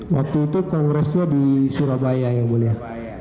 waktu itu kongresnya di surabaya yang mulia